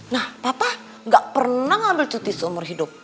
nah papa gak pernah ngambil cuti seumur hidup